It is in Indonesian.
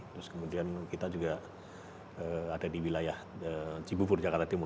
terus kemudian kita juga ada di wilayah cibubur jakarta timur